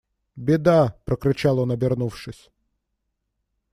Беда! – прокричал он обернувшись.